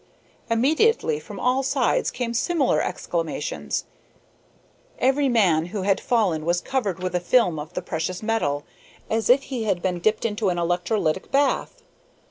Immediately from all sides came similar exclamations. Every man who had fallen was covered with a film of the precious metal, as if he had been dipped into an electrolytic bath.